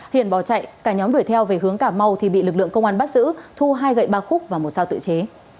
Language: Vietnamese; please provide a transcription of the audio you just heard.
hiền bỏ chạy cả nhóm đuổi theo về hướng cà mau thì bị lực lượng công an bắt giữ thu hai gậy ba khúc và một sao tự chế